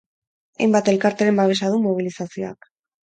Hainbat elkarteren babesa du mobilizazioak.